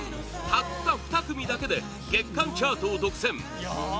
たった２組だけで月間チャートを独占！